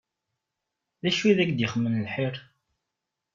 Dacu i ak-d-ixeddmen lḥir?